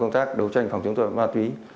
các đấu tranh phòng chống tội phạm ma túy